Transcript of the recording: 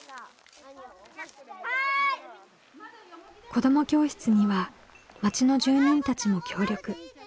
子ども教室には町の住人たちも協力。